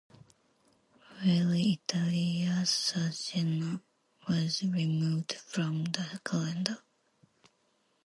Rally Italia Sardegna was removed from the calendar.